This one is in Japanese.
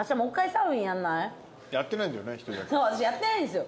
私やってないんですよ。